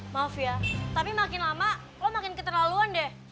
maaf ya tapi makin lama lo makin keterlaluan deh